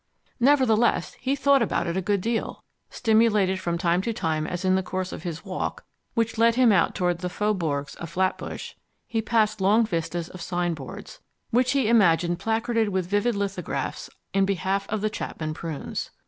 Nevertheless, he thought about it a good deal, stimulated from time to time as in the course of his walk (which led him out toward the faubourgs of Flatbush) he passed long vistas of signboards, which he imagined placarded with vivid lithographs in behalf of the Chapman prunes.